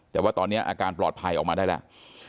แต่ว่าตอนนี้อาการปลอดภัยออกมาได้แล้ว